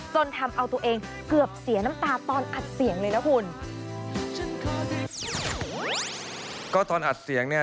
จนทำเอาตัวเองเกือบเสียน้ำตาตอนอัดเสียงเลยนะคุณ